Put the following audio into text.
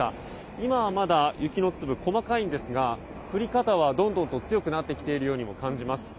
今はまだ雪の粒が細かいんですが降り方はどんどんと強くなってきているようにも感じます。